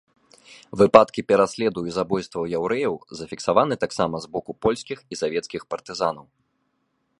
Выпадкі пераследу і забойстваў яўрэяў зафіксаваны таксама з боку польскіх і савецкіх партызанаў.